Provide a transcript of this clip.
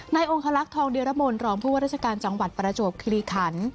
นายองค์ฮลักษณ์ทองเดียรมนต์รอมผู้ว่าราชการจังหวัดประจบคลีขันต์